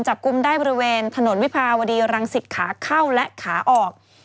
จับกุมได้บริเวณถนนวิพาวดีหลังสิทธิ์ขาเข้าและขาออก